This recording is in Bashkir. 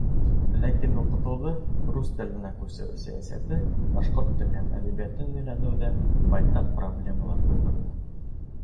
Ләкин уҡытыуҙы рус теленә күсереү сәйәсәте башҡорт телен һәм әҙәбиәтен өйрәнеүҙә байтаҡ проблемалар тыуҙырҙы.